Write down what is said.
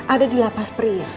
ada di lapas pria